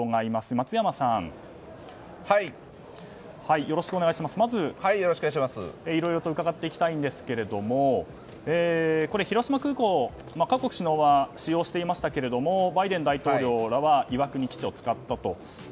松山さん、まずいろいろと伺っていきたいんですけども広島空港を各首脳は使用していましたがバイデン大統領らは岩国基地を使ったと。